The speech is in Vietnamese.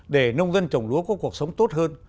để nông dân trồng lúa có cuộc sống tốt hơn